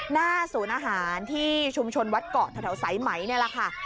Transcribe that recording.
หน้าศูนย์อาหารที่ชุมชนวัดเกาะแถวสายไหมนี่แหละค่ะ